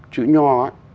chữ nho á